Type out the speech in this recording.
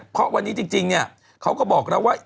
เพราะวันนี้จริงเนี่ยเขาก็บอกแล้วว่า